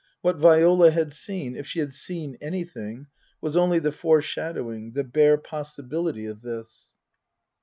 What Viola had seen if she had seen anything was only the foreshadowing, the bare possibility of this.